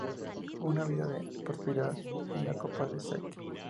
Una vida de prosperidad; una copa de sake.